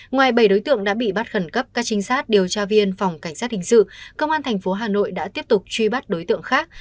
ngoài bảy đối tượng đã bị bắt khẩn cấp các trinh sát điều tra viên phòng cảnh sát hình sự công an tp hà nội đã tiếp tục truy bắt đối tượng khác